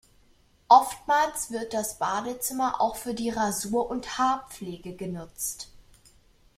Oftmals wird das Badezimmer auch für die Rasur und Haarpflege genutzt.